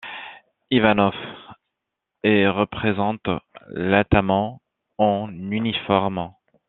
Ivanov et représente l’ataman en uniforme.